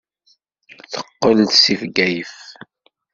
Teqqel-d seg Bgayet.